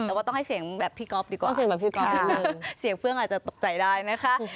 แต่ว่าต้องให้เสียงแบบพี่ก๊อฟดีกว่าเสียงเฟืองอาจจะตกใจได้นะคะ